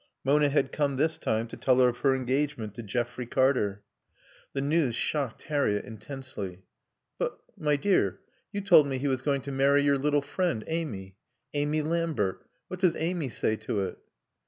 Mona had come this time to tell her of her engagement to Geoffrey Carter. The news shocked Harriett intensely. "But, my dear, you told me he was going to marry your little friend, Amy Amy Lambert. What does Amy say to it?"